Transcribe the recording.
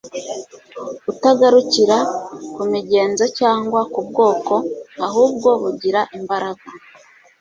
utagarukira ku migenzo cyangwa ku bwoko, ahubwo bugira imbaraga